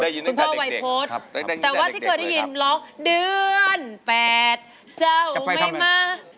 แต่ว่าที่เขาได้ยินร้องเดือนเจ้าไม่มา